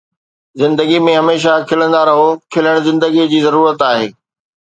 زندگي ۾ هميشه کلندا رهو، کلڻ زندگيءَ جي ضرورت آهي